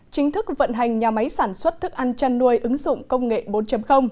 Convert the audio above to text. chính thức vận hành nhà máy sản xuất thức ăn chăn nuôi ứng dụng công nghệ bốn